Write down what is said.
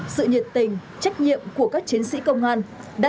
sự nhiệt tình trách nhiệm của các chiến sĩ công an các chiến sĩ công an